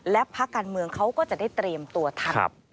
และพักการเมืองเขาก็จะได้เตรียมตัวทัน